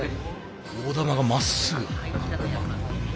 大玉がまっすぐ。